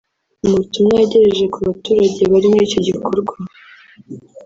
Mu butumwa yagejeje ku baturage bari muri icyo gikorwa